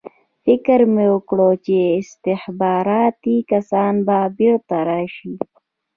فکر مې وکړ چې استخباراتي کسان به بېرته راشي